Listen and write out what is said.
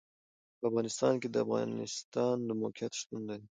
په افغانستان کې د افغانستان د موقعیت شتون لري.